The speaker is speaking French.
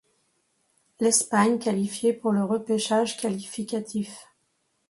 L'Espagne qualifiée pour le repêchage qualificatif.